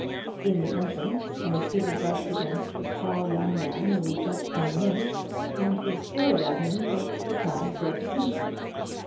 In the entrance Lord Peter brushed against a tall young man who was just coming in, and who stared at him with surprised recognition.